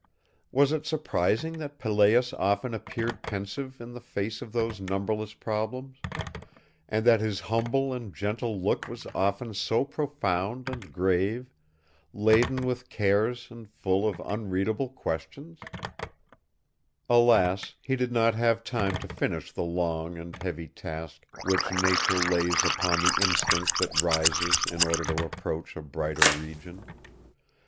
Was it surprising that Pelléas often appeared pensive in the face of those numberless problems, and that his humble and gentle look was often so profound and grave, laden with cares and full of unreadable questions? Alas, he did not have time to finish the long and heavy task which nature lays upon the instinct that rises in order to approach a brighter region....